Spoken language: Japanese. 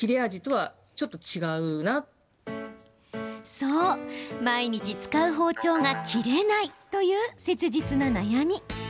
そう、毎日使う包丁が切れないという切実な悩み。